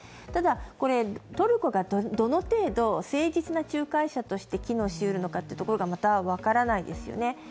ただ、トルコがどの程度、誠実な仲介者として機能しうるのかというところがまた分からないですよね。